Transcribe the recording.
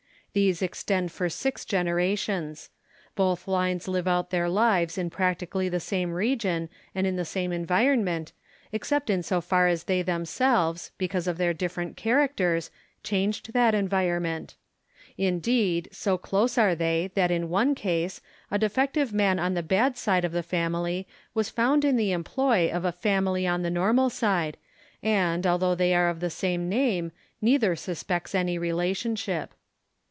These extend for six generations. Both lines live out their lives in practically the same region and in the same environment, except in so far as they themselves, because of their different characters, changed that environment. Indeed, so close are they so WHAT IT MEANS 51 that in one case, a defective man on the bad side of the family was found in the employ of a family on the normal side and, although they are of the same name, neither suspects any relationship.